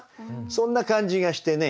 そんな感じがしてね